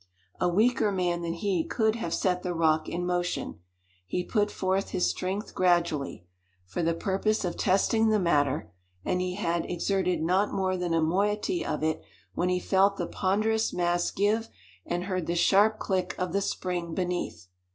A weaker man than he could have set the rock in motion. He put forth his strength gradually, for the purpose of testing the matter, and he had exerted not more than a moiety of it when he felt the ponderous mass give, and heard the sharp click of the spring beneath.